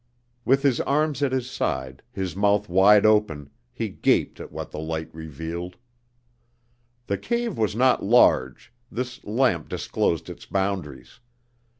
With his arms at his side, his mouth wide open, he gaped at what the light revealed. The cave was not large; this lamp disclosed its boundaries.